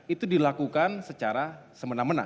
itu dilakukan secara semena mena